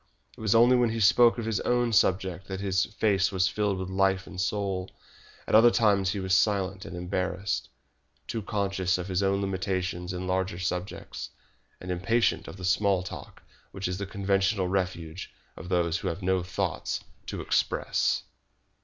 It was only when he spoke of his own subject that his face was filled with life and soul. At other times he was silent and embarrassed, too conscious of his own limitations in larger subjects, and impatient of that small talk which is the conventional refuge of those who have no thoughts to express.